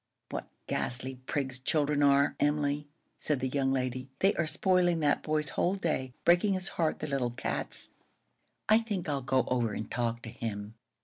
"What ghastly prigs children are, Emily!" said the young lady. "They are spoiling that boy's whole day, breaking his heart, the little cats! I think I'll go over and talk to him."